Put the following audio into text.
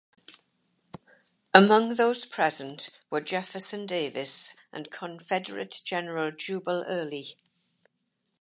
Among those present were Jefferson Davis and Confederate General Jubal Early.